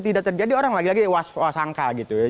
tidak terjadi orang lagi lagi was wasangka gitu